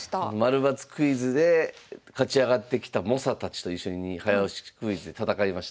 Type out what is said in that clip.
○×クイズで勝ち上がってきた猛者たちと一緒に早押しクイズで戦いました。